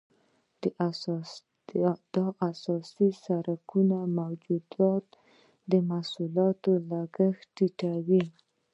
د اساسي سرکونو موجودیت د محصولاتو لګښت را ټیټوي